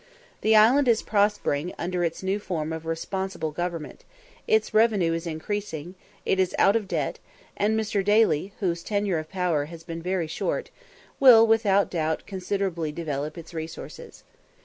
The island is prospering under its new form of "responsible government;" its revenue is increasing; it is out of debt; and Mr. Daly, whose tenure of power has been very short, will without doubt considerably develop its resources.